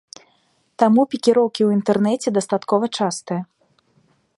Таму пікіроўкі ў інтэрнэце дастаткова частыя.